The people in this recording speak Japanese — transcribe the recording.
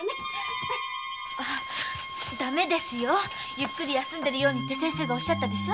ゆっくり休んでるようにって先生がおっしゃったでしょ。